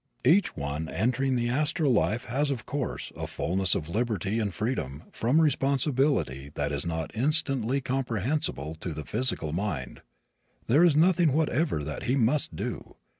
Each one entering the astral life has, of course, a fullness of liberty and freedom from responsibility that is not instantly comprehensible to the physical mind. There is nothing whatever that he must do.